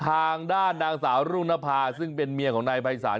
ทางด้านนางสาวรุ่งนภาซึ่งเป็นเมียของนายภัยศาล